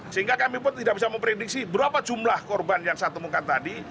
sehingga kami pun tidak bisa memprediksi berapa jumlah korban yang saya temukan tadi